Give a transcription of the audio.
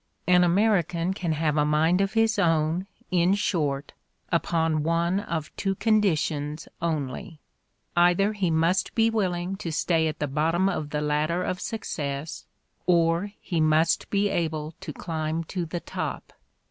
An American can have a mind of his own, in short, upon one of two conditions only: either he must be willing to stay at the bottom of the ladder of success or he must be able to climb to the top.